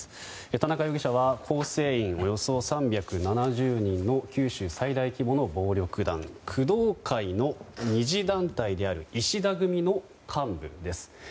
田中容疑者は構成員およそ３７０人の九州最大規模の暴力団工藤会の２次団体である石田組の幹部です。